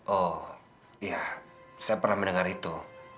oh iya saya pernah mendengar itu